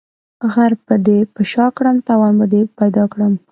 غر به دي په شاکړم ، توان به دي پيدا کړم.